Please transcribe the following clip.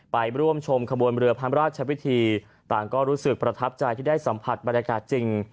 ไปร่วมชมขบวนเรือพระราชพิธีต่างก็รู้สึกประทับใจที่ได้สัมผัสบรรยากาศจริง